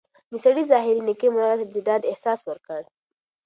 د سړي ظاهري نېکۍ مرغۍ ته د ډاډ احساس ورکړ.